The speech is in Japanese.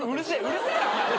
うるせえなお前ら。